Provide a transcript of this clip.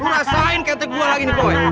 rasain ketek gua lagi